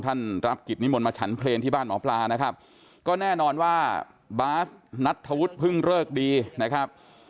รับกิจนิมนต์มาฉันเพลงที่บ้านหมอปลานะครับก็แน่นอนว่าบาสนัทธวุฒิเพิ่งเลิกดีนะครับ